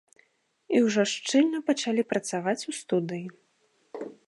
І ўжо шчыльна пачалі працаваць у студыі.